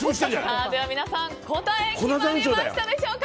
皆さん答えは決まりましたでしょうか。